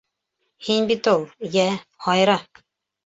Һин бит ул. Йә, һайра...